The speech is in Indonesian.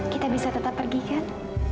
kita bisa tetap pergi kan